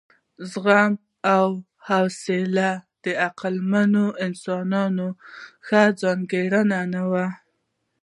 زغم او حوصله د عقلمنو انسانانو ښه ځانګړنه نه وه.